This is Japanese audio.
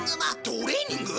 トレーニング？